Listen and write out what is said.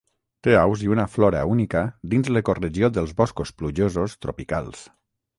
Té aus i una flora única dins l'ecoregió dels boscos plujosos tropicals.